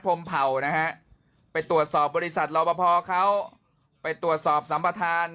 มเผ่านะฮะไปตรวจสอบบริษัทรอบพอเขาไปตรวจสอบสัมปทาน